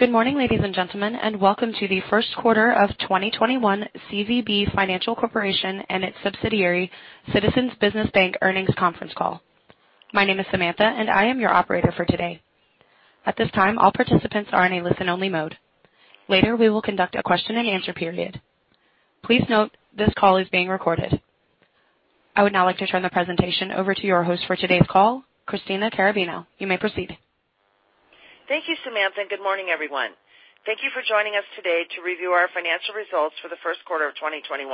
Good morning, ladies and gentlemen, and welcome to the first quarter of 2021 CVB Financial Corp. and its subsidiary, Citizens Business Bank Earnings Conference Call. My name is Samantha, and I am your operator for today. At this time, all participants are in a listen-only mode. Later, we will conduct a question and answer period. Please note, this call is being recorded. I would now like to turn the presentation over to your host for today's call, Christina Carrabino. You may proceed. Thank you, Samantha. Good morning, everyone. Thank you for joining us today to review our financial results for the first quarter of 2021.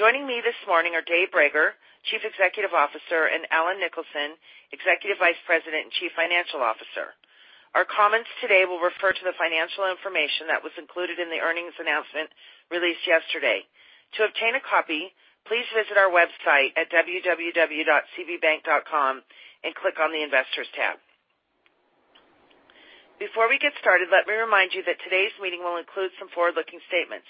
Joining me this morning are David A. Brager, Chief Executive Officer, and E. Allen Nicholson, Executive Vice President and Chief Financial Officer. Our comments today will refer to the financial information that was included in the earnings announcement released yesterday. To obtain a copy, please visit our website at www.cbbank.com and click on the Investors tab. Before we get started, let me remind you that today's meeting will include some forward-looking statements.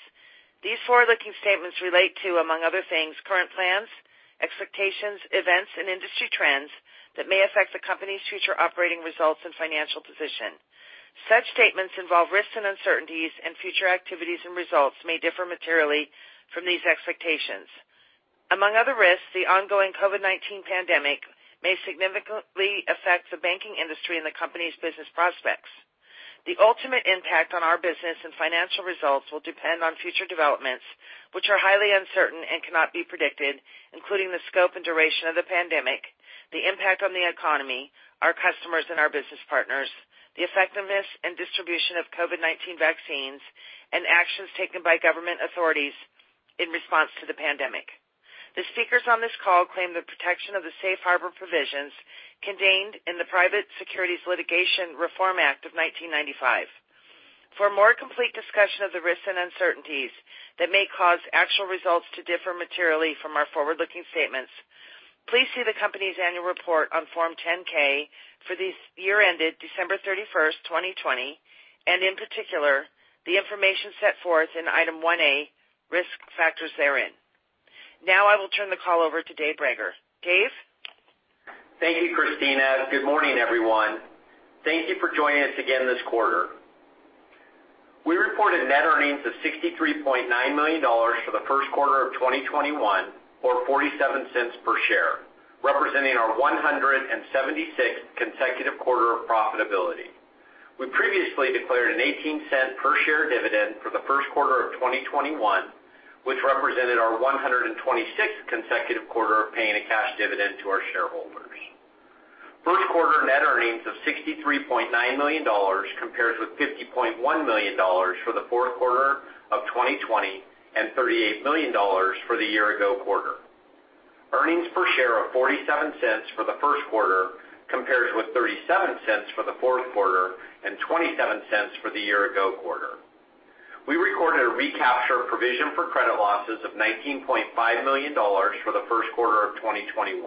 These forward-looking statements relate to, among other things, current plans, expectations, events, and industry trends that may affect the company's future operating results and financial position. Such statements involve risks and uncertainties, and future activities and results may differ materially from these expectations. Among other risks, the ongoing COVID-19 pandemic may significantly affect the banking industry and the company's business prospects. The ultimate impact on our business and financial results will depend on future developments, which are highly uncertain and cannot be predicted, including the scope and duration of the pandemic, the impact on the economy, our customers, and our business partners, the effectiveness and distribution of COVID-19 vaccines, and actions taken by government authorities in response to the pandemic. The speakers on this call claim the protection of the safe harbor provisions contained in the Private Securities Litigation Reform Act of 1995. For a more complete discussion of the risks and uncertainties that may cause actual results to differ materially from our forward-looking statements, please see the company's annual report on Form 10-K for this year ended December 31st, 2020, and in particular, the information set forth in Item 1A Risk Factors therein. Now, I will turn the call over to David A. Brager. David A. Brager? Thank you, Christina. Good morning, everyone. Thank you for joining us again this quarter. We reported net earnings of $63.9 million for the first quarter of 2021, or $0.47 per share, representing our 176th consecutive quarter of profitability. We previously declared an $0.18 per share dividend for the first quarter of 2021, which represented our 126th consecutive quarter of paying a cash dividend to our shareholders. First quarter net earnings of $63.9 million compares with $50.1 million for the fourth quarter of 2020 and $38 million for the year ago quarter. Earnings per share of $0.47 for the first quarter compares with $0.37 for the fourth quarter and $0.27 for the year ago quarter. We recorded a recapture of provision for credit losses of $19.5 million for the first quarter of 2021.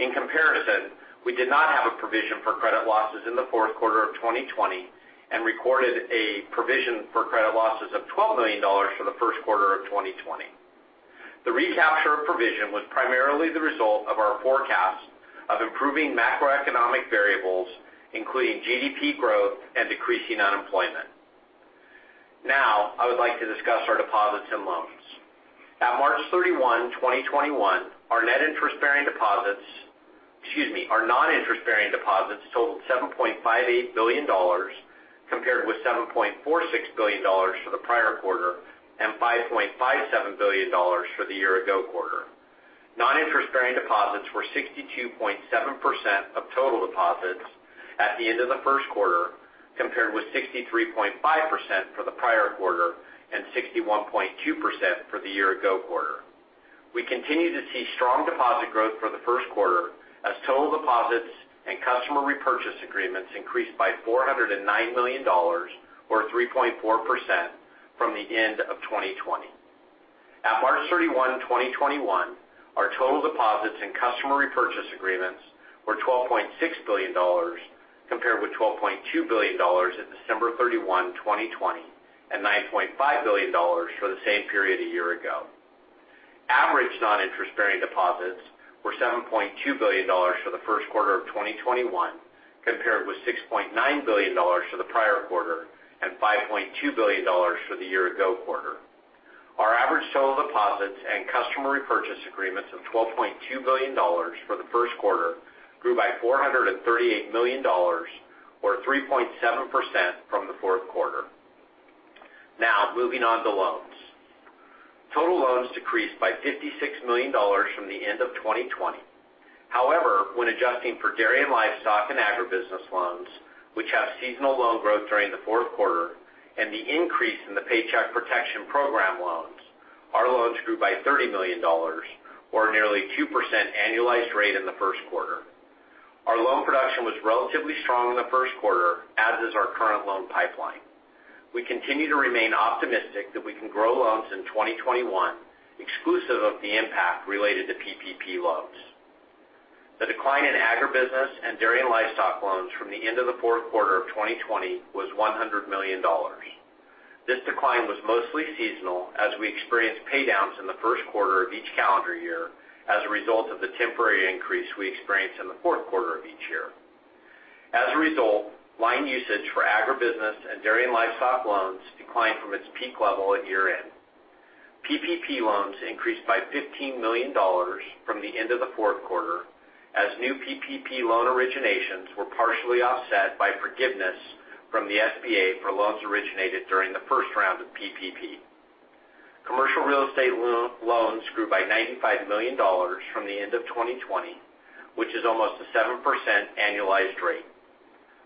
In comparison, we did not have a provision for credit losses in the fourth quarter of 2020 and recorded a provision for credit losses of $12 million for the first quarter of 2020. The recapture of provision was primarily the result of our forecast of improving macroeconomic variables, including GDP growth and decreasing unemployment. I would like to discuss our deposits and loans. At March 31st, 2021, our non-interest-bearing deposits totaled $7.58 billion, compared with $7.46 billion for the prior quarter and $5.57 billion for the year ago quarter. Non-interest-bearing deposits were 62.7% of total deposits at the end of the first quarter, compared with 63.5% for the prior quarter and 61.2% for the year ago quarter. We continue to see strong deposit growth for the first quarter as total deposits and customer repurchase agreements increased by $409 million, or 3.4%, from the end of 2020. At March 31st, 2021, our total deposits and customer repurchase agreements were $12.6 billion, compared with $12.2 billion at December 31st, 2020, and $9.5 billion for the same period a year ago. Average non-interest-bearing deposits were $7.2 billion for the first quarter of 2021, compared with $6.9 billion for the prior quarter and $5.2 billion for the year ago quarter. Our average total deposits and customer repurchase agreements of $12.2 billion for the first quarter grew by $438 million, or 3.7%, from the fourth quarter. Moving on to loans. Total loans decreased by $56 million from the end of 2020. When adjusting for dairy and livestock and agribusiness loans, which have seasonal loan growth during the fourth quarter, and the increase in the Paycheck Protection Program loans, our loans grew by $30 million, or nearly 2% annualized rate in the first quarter. Our loan production was relatively strong in the first quarter, as is our current loan pipeline. We continue to remain optimistic that we can grow loans in 2021, exclusive of the impact related to PPP loans. The decline in agribusiness and dairy and livestock loans from the end of the fourth quarter of 2020 was $100 million. This decline was mostly seasonal as we experienced pay-downs in the first quarter of each calendar year as a result of the temporary increase we experienced in the fourth quarter of each year. As a result, line usage for agribusiness and dairy and livestock loans declined from its peak level at year-end. PPP loans increased by $15 million from the end of the fourth quarter, as new PPP loan originations were partially offset by forgiveness from the SBA for loans originated during the first round of PPP. Commercial real estate loans grew by $95 million from the end of 2020, which is almost a 7% annualized rate.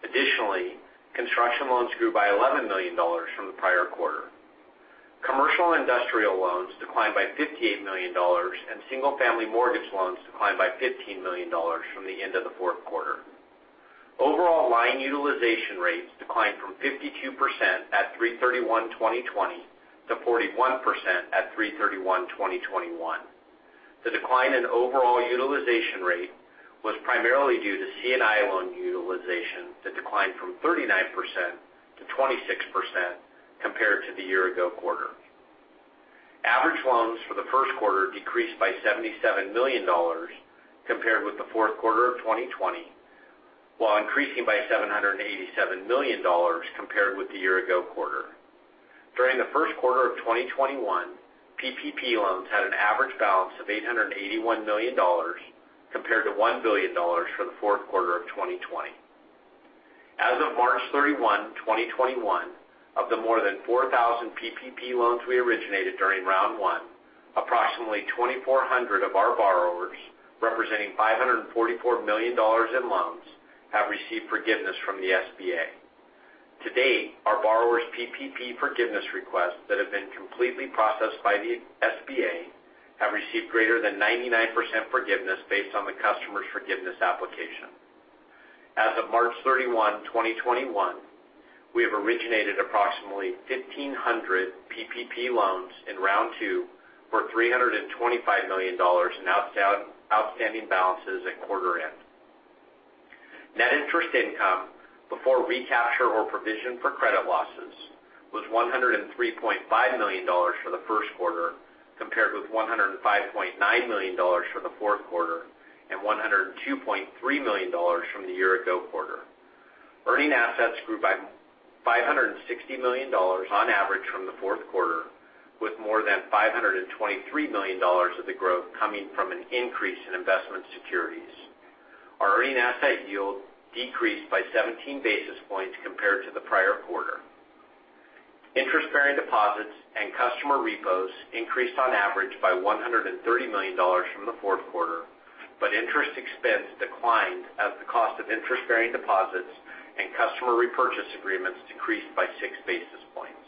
Additionally, construction loans grew by $11 million from the prior quarter. Commercial and industrial loans declined by $58 million, and single-family mortgage loans declined by $15 million from the end of the fourth quarter. Overall, line utilization rates declined from 52% at 3/31/2020 to 41% at 3/31/2021. The decline in overall utilization rate was primarily due to C&I loan utilization that declined from 39%-26% compared to the year-ago quarter. Average loans for the first quarter decreased by $77 million compared with the fourth quarter of 2020, while increasing by $787 million compared with the year-ago quarter. During the first quarter of 2021, PPP loans had an average balance of $881 million compared to $1 billion for the fourth quarter of 2020. As of March 31st, 2021, of the more than 4,000 PPP loans we originated during round one, approximately 2,400 of our borrowers, representing $544 million in loans, have received forgiveness from the SBA. To date, our borrowers' PPP forgiveness requests that have been completely processed by the SBA have received greater than 99% forgiveness based on the customer's forgiveness application. As of March 31st, 2021, we have originated approximately 1,500 PPP loans in round two for $325 million in outstanding balances at quarter end. Net interest income before recapture or provision for credit losses was $103.5 million for the first quarter, compared with $105.9 million for the fourth quarter and $102.3 million from the year-ago quarter. Earning assets grew by $560 million on average from the fourth quarter, with more than $523 million of the growth coming from an increase in investment securities. Our earning asset yield decreased by 17 basis points compared to the prior quarter. Interest-bearing deposits and customer repos increased on average by $130 million from the fourth quarter, but interest expense declined as the cost of interest-bearing deposits and customer repurchase agreements decreased by six basis points.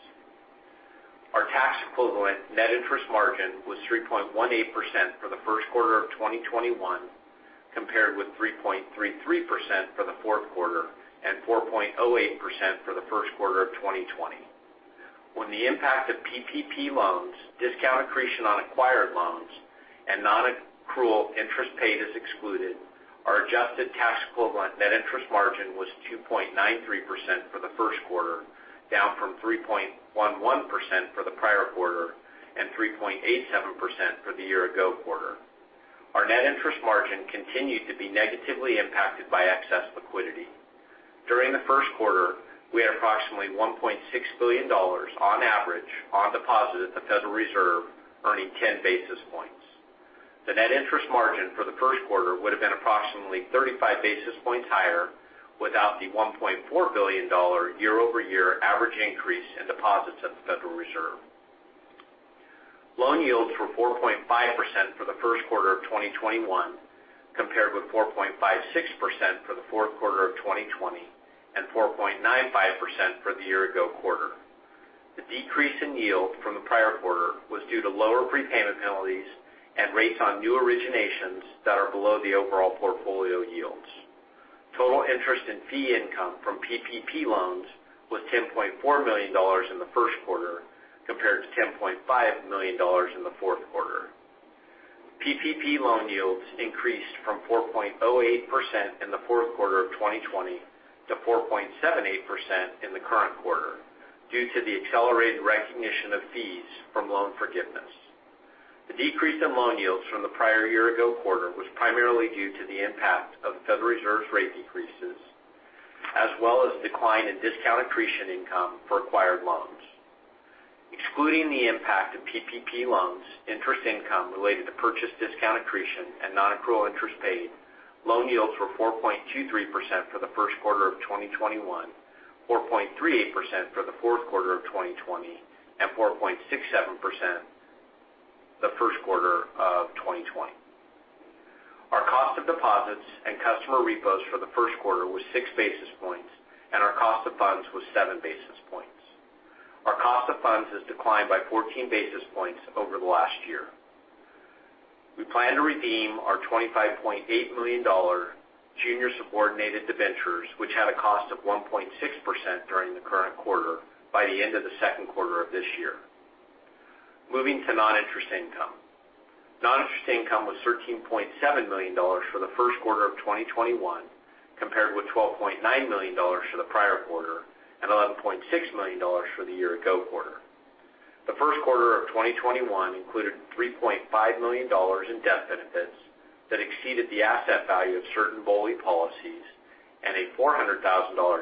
Our tax equivalent net interest margin was 3.18% for the first quarter of 2021, compared with 3.33% for the fourth quarter and 4.08% for the first quarter of 2020. When the impact of PPP loans, discount accretion on acquired loans, and non-accrual interest paid is excluded, our adjusted tax-equivalent net interest margin was 2.93% for the first quarter, down from 3.11% for the prior quarter and 3.87% for the year-ago quarter. Our net interest margin continued to be negatively impacted by excess liquidity. During the first quarter, we had approximately $1.6 billion on average on deposit at the Federal Reserve, earning 10 basis points. The net interest margin for the first quarter would have been approximately 35 basis points higher without the $1.4 billion year-over-year average increase in deposits at the Federal Reserve. Loan yields were 4.5% for the first quarter of 2021, compared with 4.56% for the fourth quarter of 2020 and 4.95% for the year-ago quarter. The decrease in yield from the prior quarter was due to lower prepayment penalties and rates on new originations that are below the overall portfolio yields. Total interest in fee income from PPP loans was $10.4 million in the first quarter, compared to $10.5 million in the fourth quarter. PPP loan yields increased from 4.08% in the fourth quarter of 2020 to 4.78% in the current quarter due to the accelerated recognition of fees from loan forgiveness. The decrease in loan yields from the prior year-ago quarter was primarily due to the impact of the Federal Reserve's rate decreases, as well as decline in discount accretion income for acquired loans. Excluding the impact of PPP loans, interest income related to purchase discount accretion, and non-accrual interest paid, loan yields were 4.23% for the first quarter of 2021, 4.38% for the fourth quarter of 2020, and 4.67% the first quarter of 2020. Our cost of deposits and customer repos for the first quarter was six basis points, and our cost of funds was seven basis points. Our cost of funds has declined by 14 basis points over the last year. We plan to redeem our $25.8 million junior subordinated debentures, which had a cost of 1.6% during the current quarter, by the end of the second quarter of this year. Moving to non-interest income. Non-interest income was $13.7 million for the first quarter of 2021, compared with $12.9 million for the prior quarter and $11.6 million for the year ago quarter. The first quarter of 2021 included $3.5 million in death benefits that exceeded the asset value of certain BOLI policies and a $400,000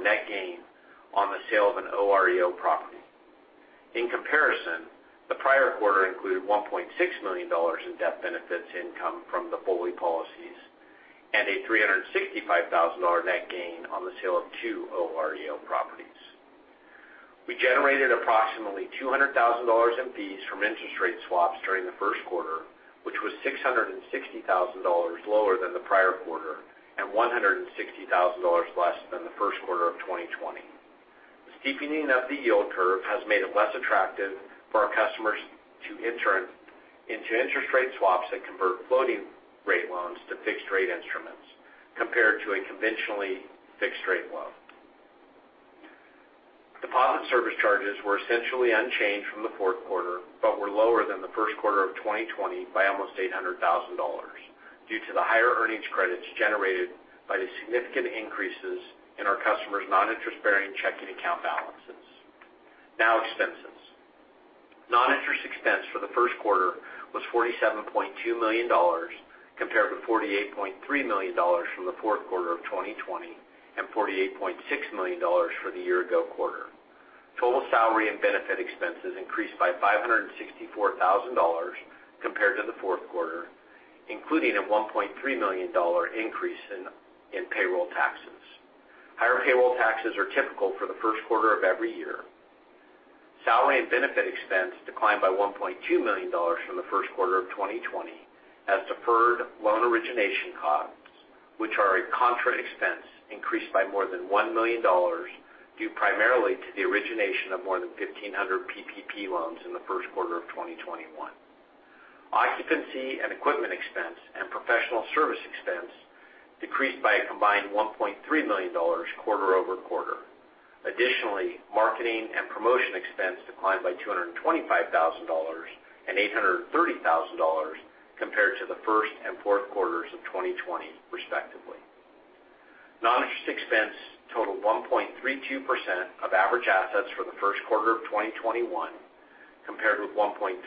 net gain on the sale of an OREO property. In comparison, the prior quarter included $1.6 million in death benefits income from the BOLI policies and a $365,000 net gain on the sale of two OREO properties. We generated approximately $200,000 in fees from interest rate swaps during the first quarter, which was $660,000 lower than the prior quarter and $160,000 less than the first quarter of 2020. The steepening of the yield curve has made it less attractive for our customers to enter into interest rate swaps that convert floating rate loans to fixed rate instruments compared to a conventionally fixed rate loan. Deposit service charges were essentially unchanged from the fourth quarter, but were lower than the first quarter of 2020 by almost $800,000 due to the higher earnings credits generated by the significant increases in our customers' non-interest-bearing checking account balances. Now expenses. Non-interest expense for the first quarter was $47.2 million, compared to $48.3 million from the fourth quarter of 2020 and $48.6 million for the year ago quarter. Total salary and benefit expenses increased by $564,000 compared to the fourth quarter, including a $1.3 million increase in payroll taxes. Higher payroll taxes are typical for the first quarter of every year. Salary and benefit expense declined by $1.2 million from the first quarter of 2020 as deferred loan origination costs, which are a contra expense, increased by more than $1 million due primarily to the origination of more than 1,500 PPP loans in the first quarter of 2021. Occupancy and equipment expense and professional service expense decreased by a combined $1.3 million quarter-over-quarter. Marketing and promotion expense declined by $225,000 and $830,000 compared to the first and fourth quarters of 2020, respectively. Non-interest expense totaled 1.32% of average assets for the first quarter of 2021, compared with 1.37%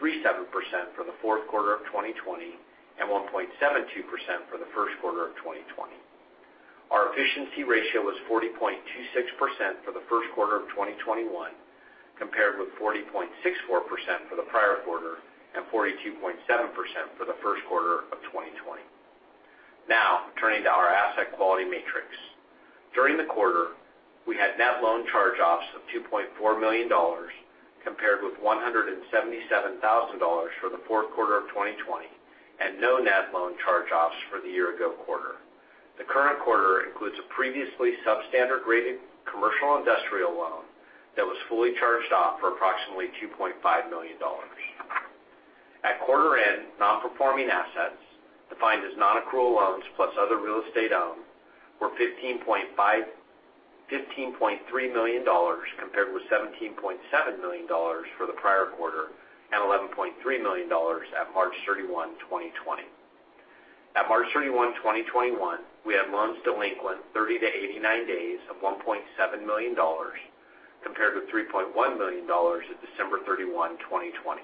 for the fourth quarter of 2020 and 1.72% for the first quarter of 2020. Our efficiency ratio was 40.26% for the first quarter of 2021, compared with 40.64% for the prior quarter and 42.7% for the first quarter of 2020. Turning to our asset quality matrics. During the quarter, we had net loan charge-offs of $2.4 million, compared with $177,000 for the fourth quarter of 2020 and no net loan charge-offs for the year ago quarter. The current quarter includes a previously substandard rated commercial industrial loan that was fully charged off for approximately $2.5 million. At quarter end, non-performing assets, defined as other real estate owned, were $15.3 million, compared with $17.7 million for the prior quarter and $11.3 million at March 31st, 2020. At March 31st, 2021, we had loans delinquent 30 days-89 days of $1.7 million, compared with $3.1 million at December 31st, 2020.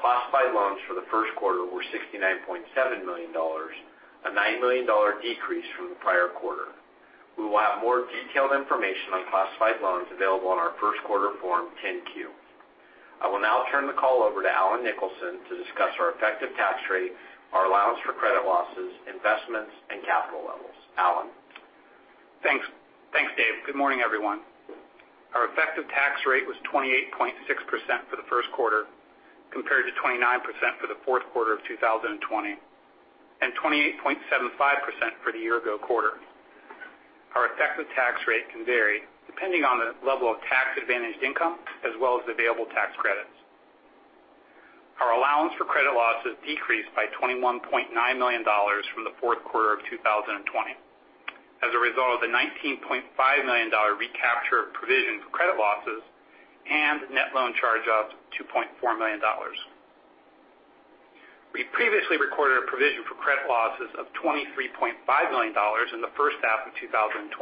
Classified loans for the first quarter were $69.7 million, a $9 million decrease from the prior quarter. We will have more detailed information on classified loans available on our first quarter Form 10-Q. I will now turn the call over to E. Allen Nicholson to discuss our effective tax rate, our allowance for credit losses, investments, and capital levels. E. Allen? Thanks, Dave. Good morning, everyone. Our effective tax rate was 28.6% for the first quarter, compared to 29% for the fourth quarter of 2020 and 28.75% for the year ago quarter. Our effective tax rate can vary depending on the level of tax-advantaged income, as well as available tax credits. Our allowance for credit losses decreased by $21.9 million from the fourth quarter of 2020 as a result of the $19.5 million recapture of provision for credit losses and net loan charge-offs of $2.4 million. We previously recorded a provision for credit losses of $23.5 million in the first half of 2020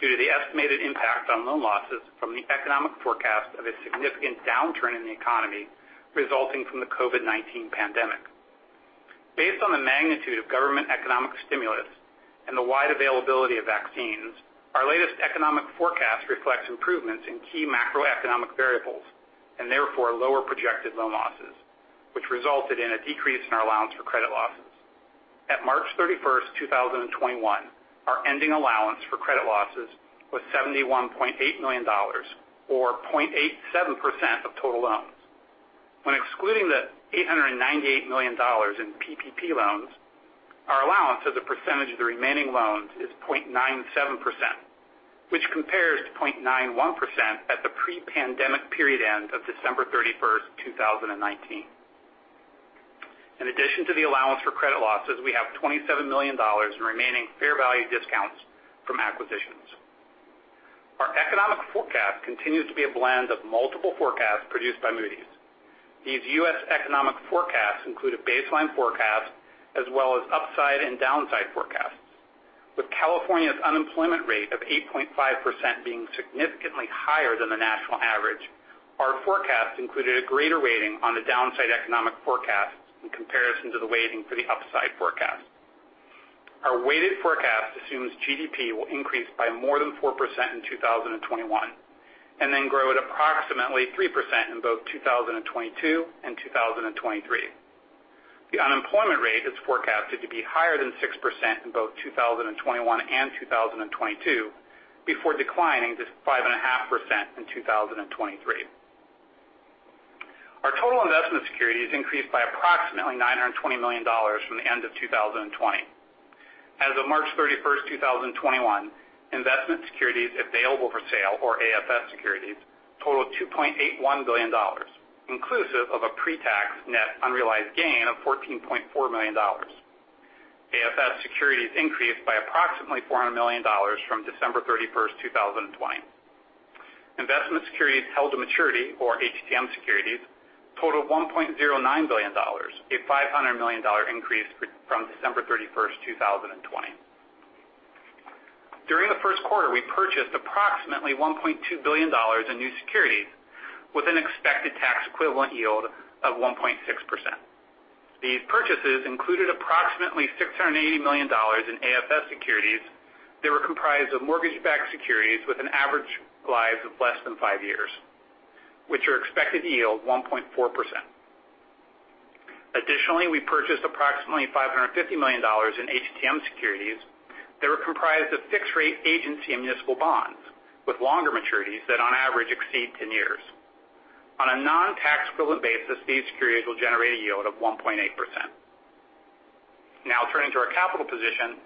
due to the estimated impact on loan losses from the economic forecast of a significant downturn in the economy resulting from the COVID-19 pandemic. Based on the magnitude of government economic stimulus and the wide availability of vaccines, our latest economic forecast reflects improvements in key macroeconomic variables, and therefore, lower projected loan losses, which resulted in a decrease in our allowance for credit losses. At March 31st, 2021, our ending allowance for credit losses was $71.8 million, or 0.87% of total loans. When excluding the $898 million in PPP loans, our allowance as a percentage of the remaining loans is 0.97%, which compares to 0.91% at the pre-pandemic period end of December 31st, 2019. In addition to the allowance for credit losses, we have $27 million in remaining fair value discounts from acquisitions. Our economic forecast continues to be a blend of multiple forecasts produced by Moody's. These U.S. economic forecasts include a baseline forecast as well as upside and downside forecasts. With California's unemployment rate of 8.5% being significantly higher than the national average, our forecast included a greater weighting on the downside economic forecast in comparison to the weighting for the upside forecast. Our weighted forecast assumes GDP will increase by more than 4% in 2021, and then grow at approximately 3% in both 2022 and 2023. The unemployment rate is forecasted to be higher than 6% in both 2021 and 2022 before declining to 5.5% in 2023. Our total investment securities increased by approximately $920 million from the end of 2020. As of March 31st, 2021, investment securities available for sale or AFS securities totaled $2.81 billion, inclusive of a pre-tax net unrealized gain of $14.4 million. AFS securities increased by approximately $400 million from December 31st, 2020. Investment securities held to maturity, or HTM securities, totaled $1.09 billion, a $500 million increase from December 31st, 2020. During the first quarter, we purchased approximately $1.2 billion in new securities with an expected tax-equivalent yield of 1.6%. These purchases included approximately $680 million in AFS securities that were comprised of mortgage-backed securities with an average life of less than five years, which are expected to yield 1.4%. Additionally, we purchased approximately $550 million in HTM securities that were comprised of fixed-rate agency and municipal bonds with longer maturities that on average exceed 10 years. On a non-tax equivalent basis, these securities will generate a yield of 1.8%. Now turning to our capital position.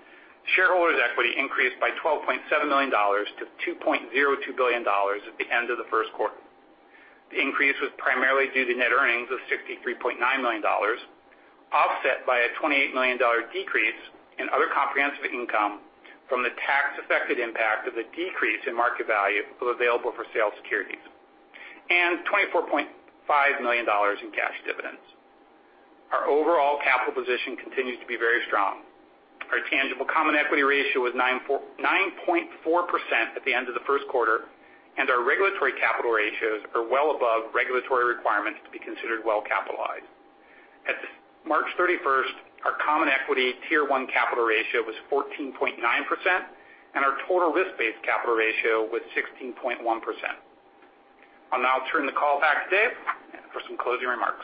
Shareholders' equity increased by $12.7 million-$2.02 billion at the end of the first quarter. The increase was primarily due to net earnings of $63.9 million, offset by a $28 million decrease in other comprehensive income from the tax-affected impact of the decrease in market value of available for sale securities, and $24.5 million in cash dividends. Our overall capital position continues to be very strong. Our tangible common equity ratio was 9.4% at the end of the first quarter, and our regulatory capital ratios are well above regulatory requirements to be considered well-capitalized. At March 31st, our common equity tier 1 capital ratio was 14.9%, and our total risk-based capital ratio was 16.1%. I'll now turn the call back to Dave for some closing remarks.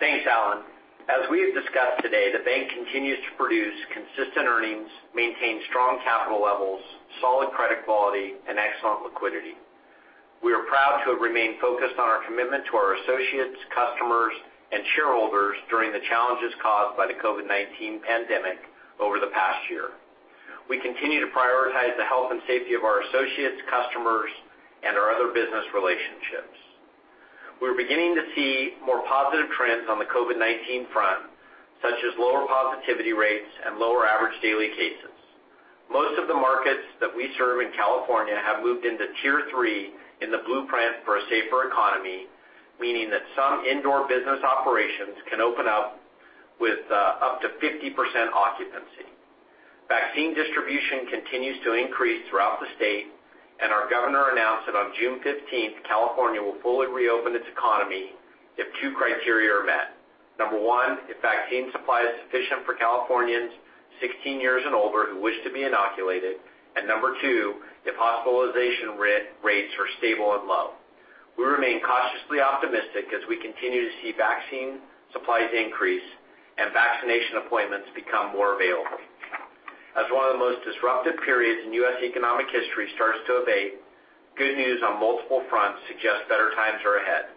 Thanks, E. Allen Nicholson. As we have discussed today, the bank continues to produce consistent earnings, maintain strong capital levels, solid credit quality, and excellent liquidity. We are proud to have remained focused on our commitment to our associates, customers, and shareholders during the challenges caused by the COVID-19 pandemic over the past year. We continue to prioritize the health and safety of our associates, customers, and our other business relationships. We're beginning to see more positive trends on the COVID-19 front, such as lower positivity rates and lower average daily cases. Most of the markets that we serve in California have moved into tier 3 in the Blueprint for a Safer Economy, meaning that some indoor business operations can open up with up to 50% occupancy. Vaccine distribution continues to increase throughout the state, and our governor announced that on June 15th, California will fully reopen its economy if two criteria are met. Number one, if vaccine supply is sufficient for Californians 16 years and older who wish to be inoculated. Number two, if hospitalization rates are stable and low. We remain cautiously optimistic as we continue to see vaccine supplies increase and vaccination appointments become more available. As one of the most disruptive periods in U.S. economic history starts to abate, good news on multiple fronts suggests better times are ahead.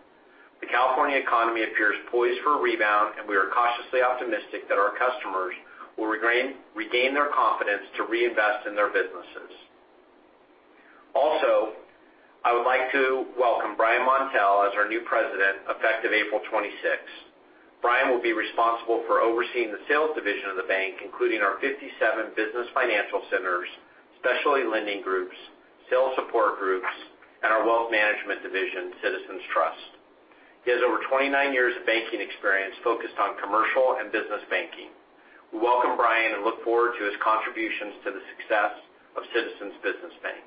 The California economy appears poised for a rebound, and we are cautiously optimistic that our customers will regain their confidence to reinvest in their businesses. I would like to welcome Brian Montel as our new President effective April 26th. Brian will be responsible for overseeing the sales division of the bank, including our 57 business financial centers, specialty lending groups, sales support groups, and our wealth management division, CitizensTrust. He has over 29 years of banking experience focused on commercial and business banking. We welcome Brian and look forward to his contributions to the success of Citizens Business Bank.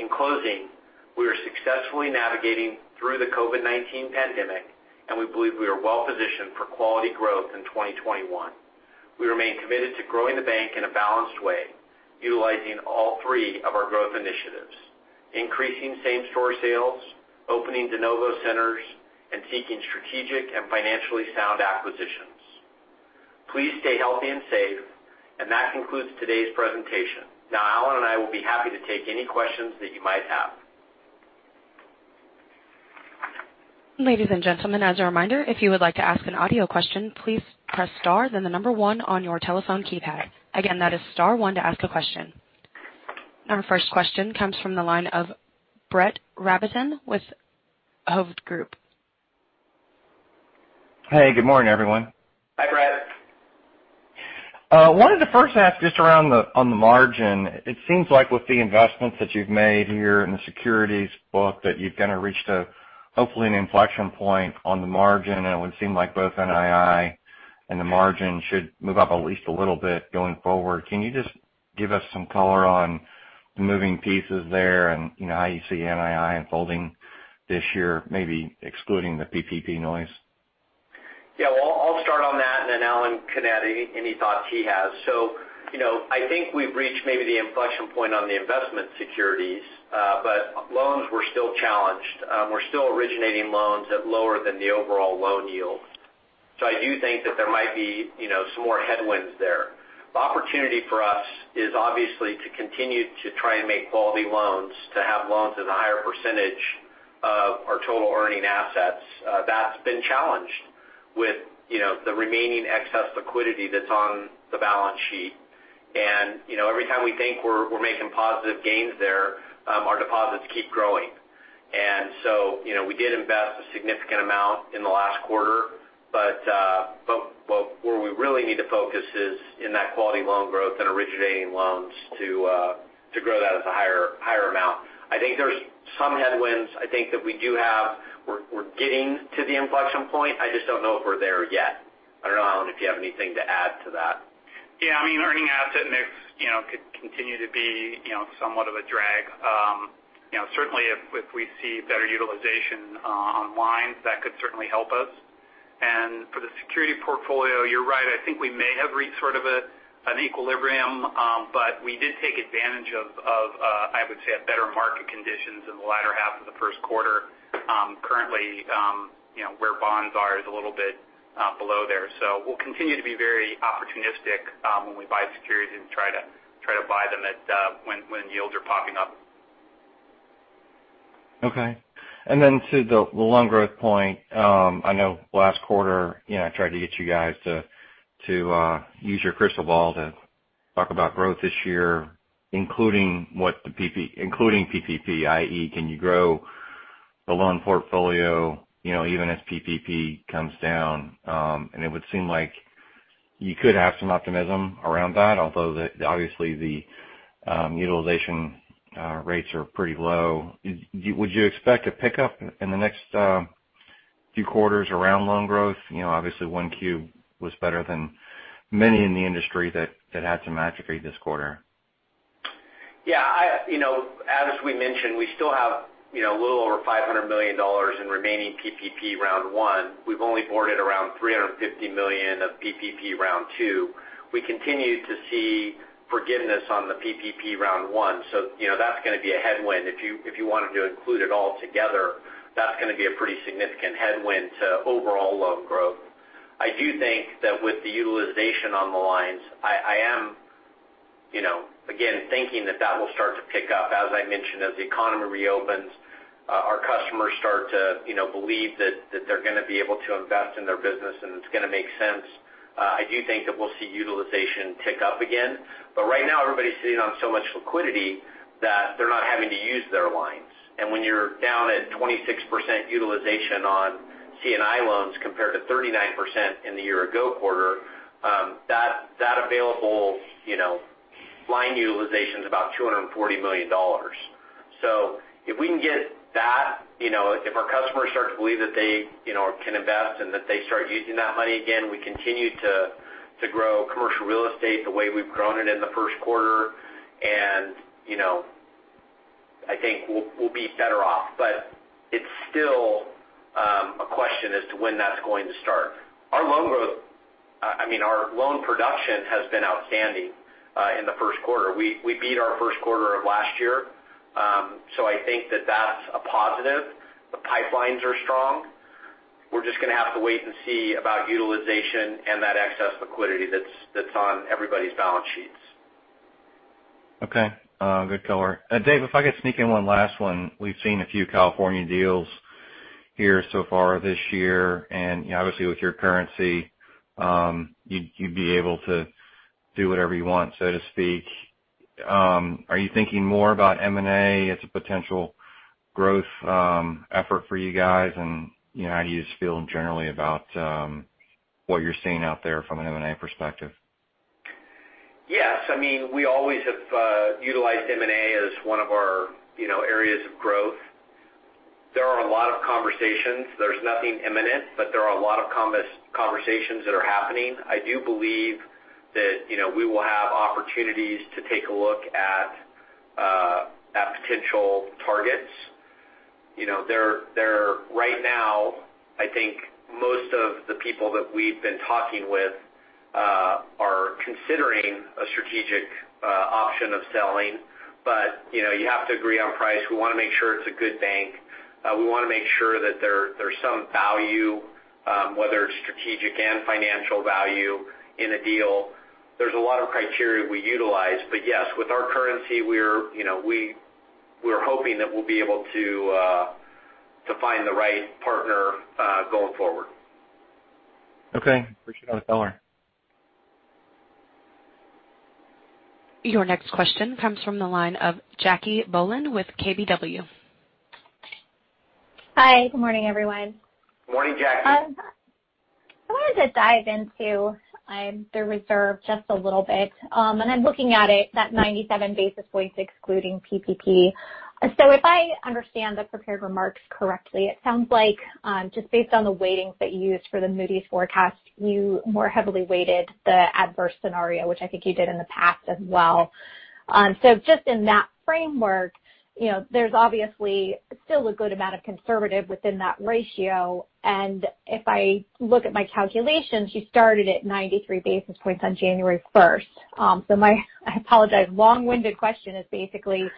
In closing, we are successfully navigating through the COVID-19 pandemic, and we believe we are well-positioned for quality growth in 2021. We remain committed to growing the bank in a balanced way, utilizing all three of our growth initiatives, increasing same-store sales, opening de novo centers, and seeking strategic and financially sound acquisitions. Please stay healthy and safe, and that concludes today's presentation. Now, Allen and I will be happy to take any questions that you might have. Ladies and gentlemen, as a reminder, if you would like to ask an audio question, please press star then the number one on your telephone keypad. Again, that is star one to ask a question. Our first question comes from the line of Brett Rabatin with Hovde Group. Hey. Good morning, everyone. I wanted to first ask just around on the margin. It seems like with the investments that you've made here in the securities book, that you've kind of reached a, hopefully an inflection point on the margin, and it would seem like both NII and the margin should move up at least a little bit going forward. Can you just give us some color on the moving pieces there and how you see NII unfolding this year, maybe excluding the PPP noise? Yeah. Well, I'll start on that and then Allen can add any thoughts he has. I think we've reached maybe the inflection point on the investment securities, but loans were still challenged. We're still originating loans at lower than the overall loan yields. I do think that there might be some more headwinds there. The opportunity for us is obviously to continue to try and make quality loans, to have loans as a higher percentage of our total earning assets. That's been challenged with the remaining excess liquidity that's on the balance sheet. Every time we think we're making positive gains there, our deposits keep growing. We did invest a significant amount in the last quarter, but where we really need to focus is in that quality loan growth and originating loans to grow that at the higher amount. I think there's some headwinds I think that we do have. We're getting to the inflection point. I just don't know if we're there yet. I don't know, Allen, if you have anything to add to that. Yeah. I mean, earning asset mix could continue to be somewhat of a drag. Certainly if we see better utilization on lines, that could certainly help us. For the security portfolio, you're right. I think we may have reached sort of an equilibrium. We did take advantage of, I would say, better market conditions in the latter half of the first quarter. Currently where bonds are is a little bit below there. We'll continue to be very opportunistic when we buy securities and try to buy them when yields are popping up. Okay. Then to the loan growth point. I know last quarter I tried to get you guys to use your crystal ball to talk about growth this year, including PPP, i.e., can you grow the loan portfolio even as PPP comes down? It would seem like you could have some optimism around that, although obviously the utilization rates are pretty low. Would you expect a pickup in the next few quarters around loan growth? Obviously, Q1 was better than many in the industry that had some atrophy this quarter. As we mentioned, we still have a little over $500 million in remaining PPP round one. We've only boarded around $350 million of PPP round two. We continue to see forgiveness on the PPP round one, so that's going to be a headwind. If you wanted to include it all together, that's going to be a pretty significant headwind to overall loan growth. I do think that with the utilization on the lines, I am again thinking that that will start to pick up. As I mentioned, as the economy reopens, our customers start to believe that they're going to be able to invest in their business and it's going to make sense. I do think that we'll see utilization tick up again. Right now, everybody's sitting on so much liquidity that they're not having to use their lines. When you're down at 26% utilization on C&I loans compared to 39% in the year ago quarter, that available line utilization's about $240 million. If we can get that, if our customers start to believe that they can invest and that they start using that money again, we continue to grow commercial real estate the way we've grown it in the first quarter, and I think we'll be better off. It's still a question as to when that's going to start. Our loan production has been outstanding in the first quarter. We beat our first quarter of last year. I think that that's a positive. The pipelines are strong. We're just going to have to wait and see about utilization and that excess liquidity that's on everybody's balance sheets. Okay. Good color. Dave, if I could sneak in one last one. We've seen a few California deals here so far this year, obviously with your currency, you'd be able to do whatever you want, so to speak. Are you thinking more about M&A as a potential growth effort for you guys? How do you just feel generally about what you're seeing out there from an M&A perspective? Yes. I mean, we always have utilized M&A as one of our areas of growth. There are a lot of conversations. There's nothing imminent. There are a lot of conversations that are happening. I do believe that we will have opportunities to take a look at potential targets. Right now, I think most of the people that we've been talking with are considering a strategic option of selling. You have to agree on price. We want to make sure it's a good bank. We want to make sure that there's some value, whether it's strategic and financial value in a deal. There's a lot of criteria we utilize. Yes, with our currency, we're hoping that we'll be able to find the right partner going forward. Okay. Appreciate all the color. Your next question comes from the line of Jacquelynne Bohlen with KBW. Hi, good morning, everyone. Morning, Jackie. I wanted to dive into the reserve just a little bit. I'm looking at it, that 97 basis points excluding PPP. If I understand the prepared remarks correctly, it sounds like just based on the weightings that you used for the Moody's forecast, you more heavily weighted the adverse scenario, which I think you did in the past as well. Just in that framework, there's obviously still a good amount of conservative within that ratio. If I look at my calculations, you started at 93 basis points on January 1st. My, I apologize, long-winded question is basically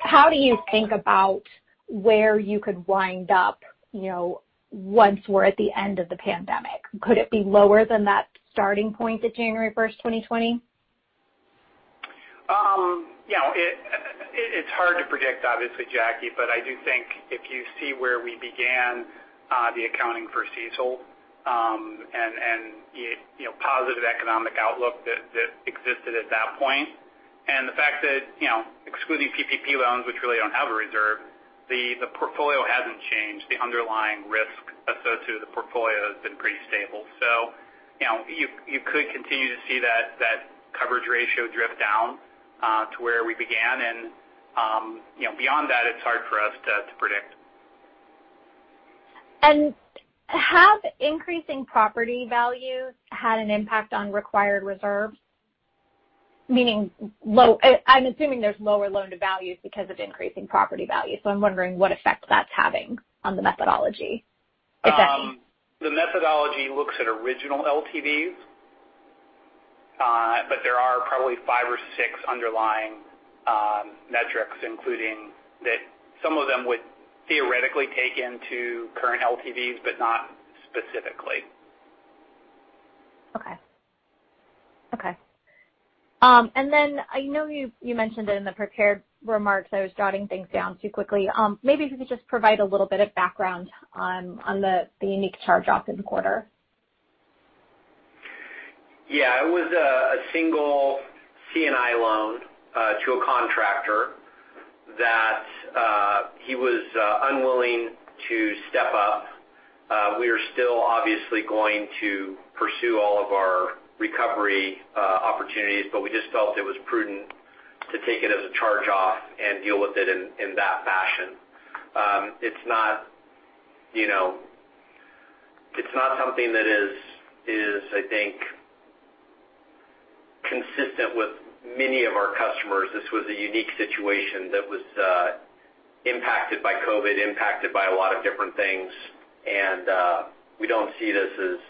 how do you think about where you could wind up once we're at the end of the pandemic? Could it be lower than that starting point of January 1st, 2020? It's hard to predict, obviously, Jackie, I do think if you see where we began the accounting for CECL, and positive economic outlook that existed at that point. The fact that excluding PPP loans, which really don't have a reserve, the portfolio hasn't changed. The underlying risk associated with the portfolio has been pretty stable. You could continue to see that coverage ratio drift down to where we began and beyond that, it's hard for us to predict. Have increasing property values had an impact on required reserves? Meaning, I'm assuming there's lower loan-to-values because of increasing property values, so I'm wondering what effect that's having on the methodology. The methodology looks at original LTVs. There are probably five or six underlying metrics, including that some of them would theoretically take into current LTVs, but not specifically. Okay. I know you mentioned it in the prepared remarks. I was jotting things down too quickly. Maybe if you could just provide a little bit of background on the unique charge-off in the quarter. Yeah. It was a single C&I loan to a contractor that he was unwilling to step up. We just felt it was prudent to take it as a charge-off and deal with it in that fashion. It's not something that is, I think, consistent with many of our customers. This was a unique situation that was impacted by COVID-19, impacted by a lot of different things. We don't see this as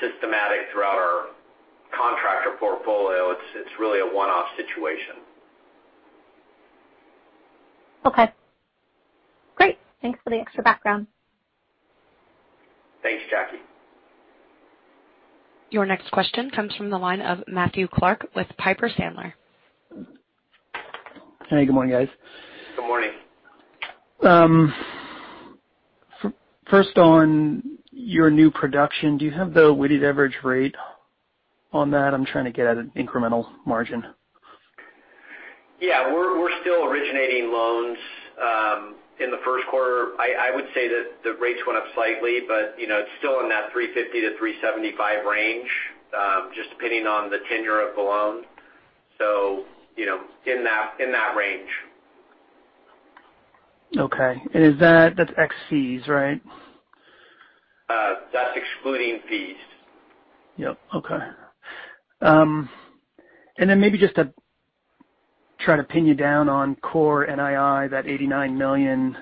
systematic throughout our contractor portfolio. It's really a one-off situation. Okay. Great. Thanks for the extra background. Thanks, Jackie. Your next question comes from the line of Matthew Clark with Piper Sandler. Hey, good morning, guys. Good morning. On your new production, do you have the weighted average rate on that? I'm trying to get at an incremental margin. Yeah. We're still originating loans. In the first quarter, I would say that the rates went up slightly, but it's still in that 350-375 range, just depending on the tenure of the loan. In that range. Okay. That's ex-fees, right? That's excluding fees. Yep. Okay. Then maybe just to try to pin you down on core NII, that $89 million.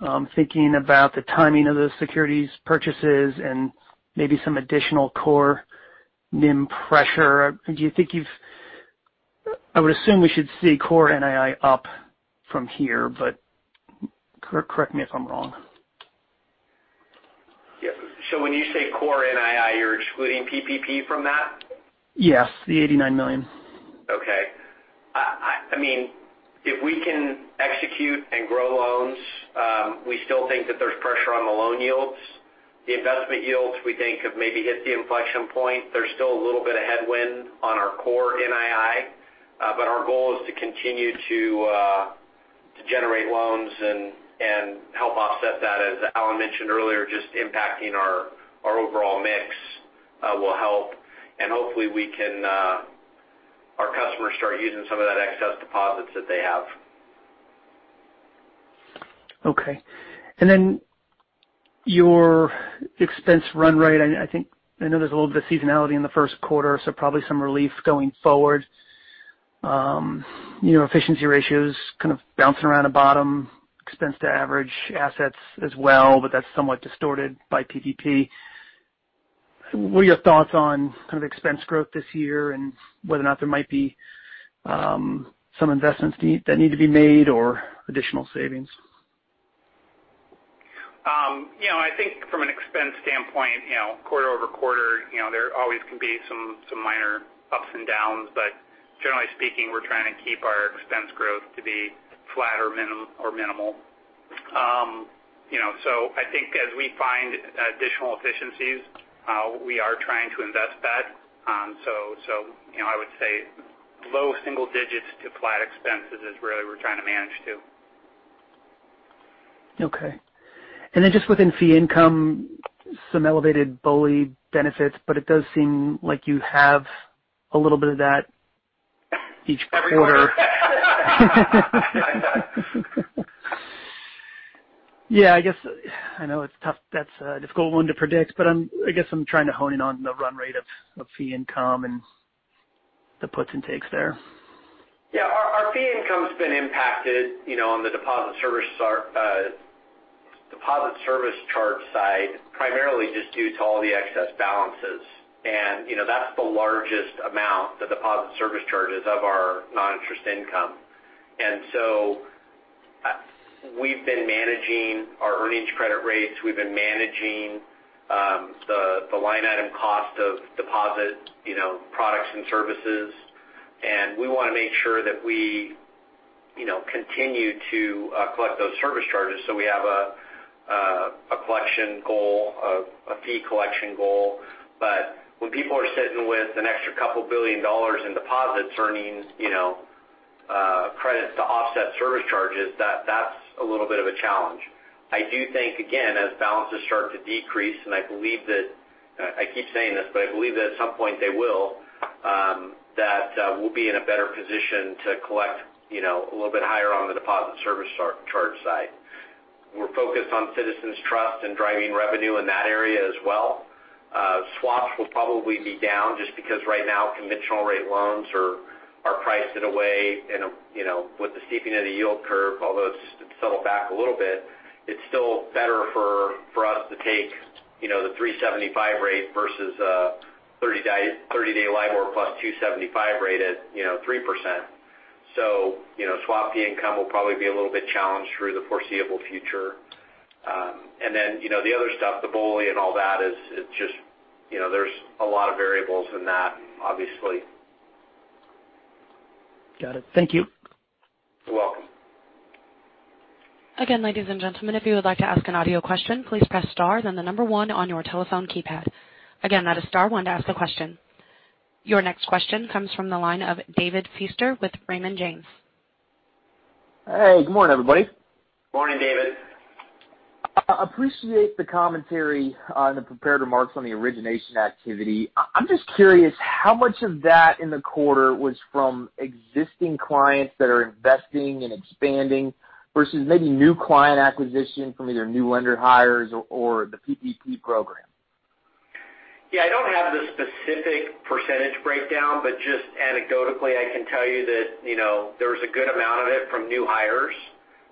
I'm thinking about the timing of those securities purchases and maybe some additional core NIM pressure. I would assume we should see core NII up from here, but correct me if I'm wrong? When you say core NII, you're excluding PPP from that? Yes. The $89 million. Okay. If we can execute and grow loans, we still think that there's pressure on the loan yields. The investment yields, we think have maybe hit the inflection point. There's still a little bit of headwind on our core NII. Our goal is to continue to generate loans and help offset that, as Allen mentioned earlier, just impacting our overall mix will help. Hopefully our customers start using some of that excess deposits that they have. Okay. Your expense run rate, I know there's a little bit of seasonality in the first quarter, so probably some relief going forward. Efficiency ratios kind of bouncing around the bottom, expense to average assets as well, but that's somewhat distorted by PPP. What are your thoughts on kind of expense growth this year and whether or not there might be some investments that need to be made or additional savings? I think from an expense standpoint, quarter-over-quarter, there always can be some minor ups and downs, but generally speaking, we're trying to keep our expense growth to be flat or minimal. I think as we find additional efficiencies, we are trying to invest that. I would say low single digits to flat expenses is really we're trying to manage to. Okay. Just within fee income, some elevated BOLI benefits, but it does seem like you have a little bit of that each quarter. Every quarter. Yeah, I know that's a difficult one to predict. I guess I'm trying to hone in on the run rate of fee income and the puts and takes there. Yeah. Our fee income's been impacted on the deposit service charge side, primarily just due to all the excess balances. That's the largest amount, the deposit service charges, of our non-interest income. So we've been managing our earnings credit rates. We've been managing the line item cost of deposit products and services. We want to make sure that we continue to collect those service charges so we have a fee collection goal. When people are sitting with an extra couple billion dollars in deposits earnings credits to offset service charges, that's a little bit of a challenge. I do think, again, as balances start to decrease, and I keep saying this, but I believe that at some point they will, that we'll be in a better position to collect a little bit higher on the deposit service charge side. We're focused on CitizensTrust and driving revenue in that area as well. Swaps will probably be down just because right now conventional rate loans are priced in a way and with the steepening of the yield curve, although it's settled back a little bit, it's still better for us to take the 375 rate versus a 30-day LIBOR plus 275 rate at 3%. Swap fee income will probably be a little bit challenged through the foreseeable future. The other stuff, the BOLI and all that is just there's a lot of variables in that, obviously. Got it. Thank you. You're welcome. Again, ladies and gentlemen, if you would like to ask an audio question, please press star then the number one on your telephone keypad. Again, that is star 1 to ask a question. Your next question comes from the line of David Feaster with Raymond James. Hey, good morning, everybody. Morning, David. Appreciate the commentary on the prepared remarks on the origination activity. I'm just curious, how much of that in the quarter was from existing clients that are investing and expanding versus maybe new client acquisition from either new lender hires or the PPP Program? Yeah, I don't have the specific percentage breakdown, but just anecdotally, I can tell you that there was a good amount of it from new hires.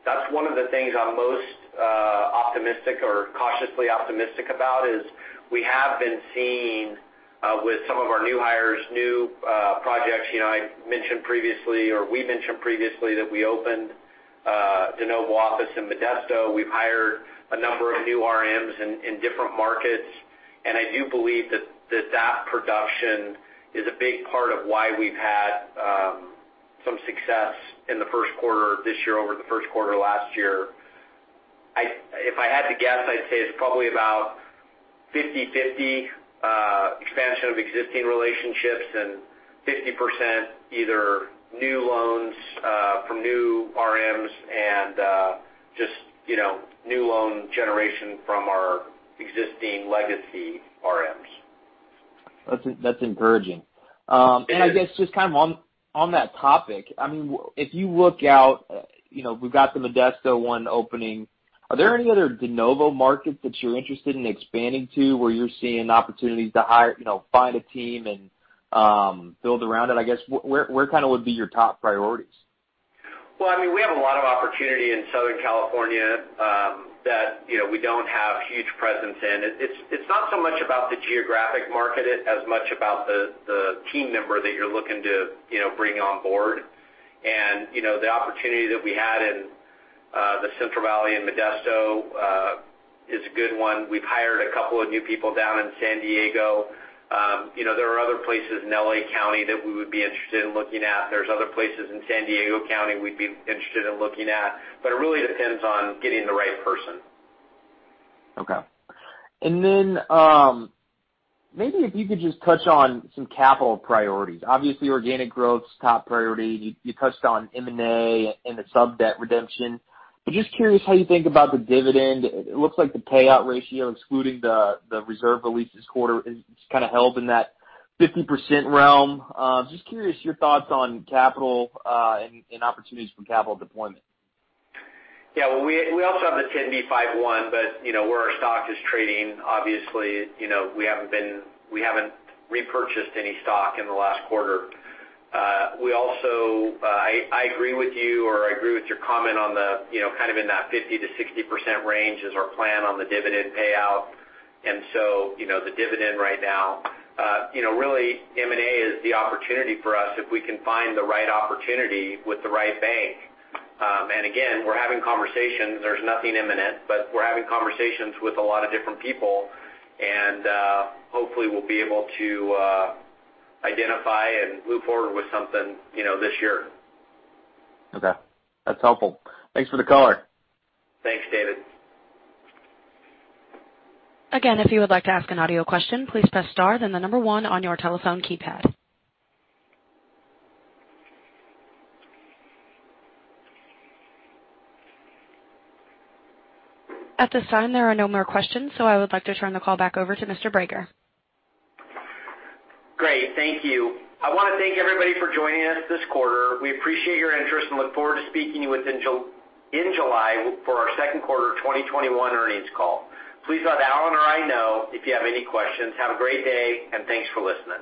That's one of the things I'm most optimistic or cautiously optimistic about is we have been seeing with some of our new hires, new projects. I mentioned previously, or we mentioned previously, that we opened a de novo office in Modesto. We've hired a number of new RMs in different markets, and I do believe that that production is a big part of why we've had some success in the first quarter this year over the first quarter last year. If I had to guess, I'd say it's probably about 50/50 expansion of existing relationships and 50% either new loans from new RMs and just new loan generation from our existing legacy RMs. That's encouraging. It is. I guess just on that topic, if you look out, we've got the Modesto one opening. Are there any other de novo markets that you're interested in expanding to where you're seeing opportunities to hire, find a team and build around it, I guess? Where would be your top priorities? Well, we have a lot of opportunity in Southern California that we don't have huge presence in. It's not so much about the geographic market as much about the team member that you're looking to bring on board. The opportunity that we had in the Central Valley in Modesto is a good one. We've hired a couple of new people down in San Diego. There are other places in L.A. County that we would be interested in looking at. There's other places in San Diego County we'd be interested in looking at, but it really depends on getting the right person. Okay. Maybe if you could just touch on some capital priorities. Obviously, organic growth's top priority. You touched on M&A and the sub-debt redemption. Just curious how you think about the dividend. It looks like the payout ratio, excluding the reserve releases quarter, is kind of held in that 50% realm. Just curious your thoughts on capital and opportunities for capital deployment. Yeah. Well, we also have the 10B5-1, but where our stock is trading, obviously, we haven't repurchased any stock in the last quarter. I agree with you, or I agree with your comment on the kind of in that 50%-60% range is our plan on the dividend payout. The dividend right now, really M&A is the opportunity for us if we can find the right opportunity with the right bank. Again, we're having conversations. There's nothing imminent, but we're having conversations with a lot of different people, and hopefully we'll be able to identify and move forward with something this year. Okay. That's helpful. Thanks for the color. Thanks, David. Again, if you would like to ask an audio question, please press star then the number one on your telephone keypad. At this time, there are no more questions, so I would like to turn the call back over to Mr. Brager. Great. Thank you. I want to thank everybody for joining us this quarter. We appreciate your interest and look forward to speaking with you in July for our second quarter 2021 earnings call. Please let Allen or I know if you have any questions. Have a great day, and thanks for listening.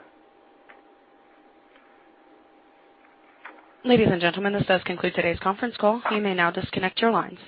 Ladies and gentlemen, this does conclude today's conference call. You may now disconnect your lines.